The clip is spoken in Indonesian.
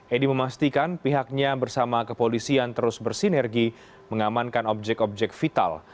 edi memastikan pihaknya bersama kepolisian terus bersinergi mengamankan objek objek vital